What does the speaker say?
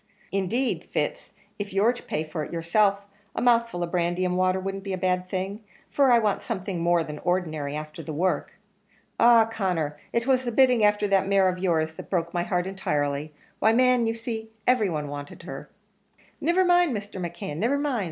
"Indeed, Fitz, if you're to pay for it yourself, a mouthful of brandy and water wouldn't be a bad thing for I want something more than ordinary afther that work. Ah! Conner, it was the bidding afther that mare of your's that broke my heart entirely why, man, you see, every one wanted her." "Niver mind, Mr. McKeon, niver mind!"